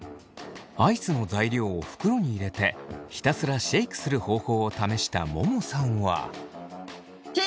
アイスの材料を袋に入れてひたすらシェイクする方法を試したももさんは。